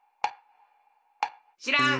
しらん！